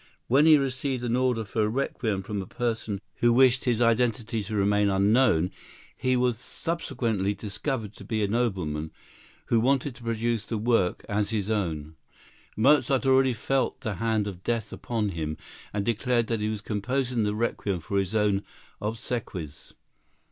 When he received an order for a Requiem from a person who wished his identity to remain unknown—he was subsequently discovered to be a nobleman, who wanted to produce the work as his own—Mozart already felt the hand of death upon him and declared that he was composing the Requiem for his own obsequies.